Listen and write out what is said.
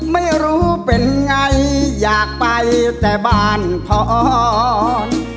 ไม่รู้เป็นไงอยากไปแต่บ้านพออ่อน